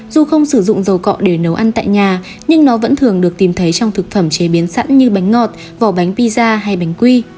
dù không sử dụng dầu cọ để nấu ăn tại nhà nhưng nó vẫn thường được tìm thấy trong thực phẩm chế biến sẵn như bánh ngọt vỏ bánh pizza hay bánh quy